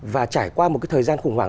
và trải qua một cái thời gian khủng hoảng